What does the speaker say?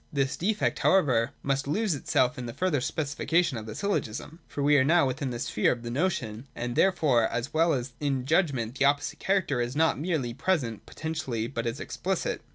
This defect however must lose itself in the further specification of the syllogism. For we are now within the sphere of the notion ; and here therefore, as well as in the judgment, the opposite character is not merely present potentially, but is explicit.